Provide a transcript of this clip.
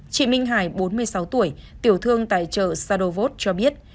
chị minh hải bốn mươi sáu tuổi tiểu thương tại chợ sadovos cho biết